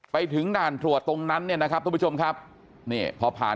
ไปถึงด่านตรวจตรงนั้นเนี่ยนะครับทุกผู้ชมครับนี่พอผ่าน